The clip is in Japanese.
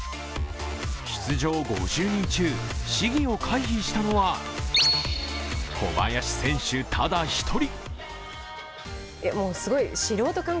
出場５０人中、試技を回避したのは小林選手ただ１人。